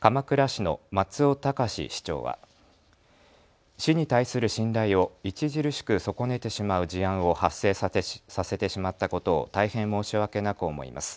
鎌倉市の松尾崇市長は市に対する信頼を著しく損ねてしまう事案を発生させてしまったことを大変申し訳なく思います。